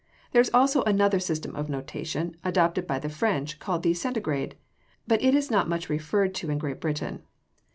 There is also another system of notation, adopted by the French, called the centigrade, but it is not much referred to in Great Britain.